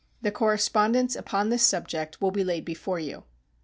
The correspondence upon this subject will be laid before you.